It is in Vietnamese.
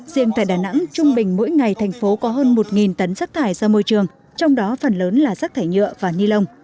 riêng tại đà nẵng trung bình mỗi ngày thành phố có hơn một tấn rác thải ra môi trường trong đó phần lớn là rác thải nhựa và ni lông